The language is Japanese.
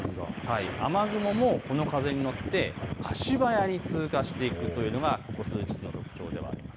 雨雲もこの風に乗って足早に通過していくというのがここ数日の特徴ではあります。